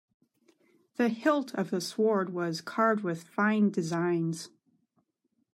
The hilt of the sword was carved with fine designs.